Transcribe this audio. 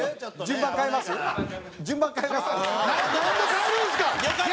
順番変えますって。